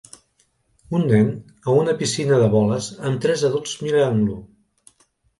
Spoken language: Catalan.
Un nen a una piscina de boles amb tres adults mirant-lo